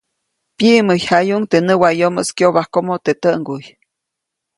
Pyiʼmäyjayuʼuŋ teʼ näwayomoʼis kyobajkomo teʼ täʼŋguy.